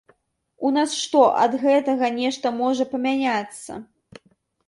У нас што, ад гэтага нешта можа памяняцца.